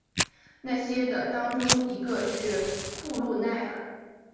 那些的当中一个是库路耐尔。